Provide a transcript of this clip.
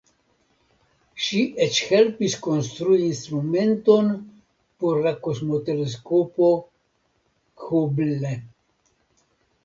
Ŝi eĉ helpis konstrui instrumenton por la Kosmoteleskopo Hubble.